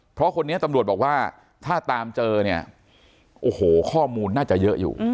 เพราะคนนี้ตำรวจบอกว่าถ้าตามเจอเนี่ยโอ้โหข้อมูลน่าจะเยอะอยู่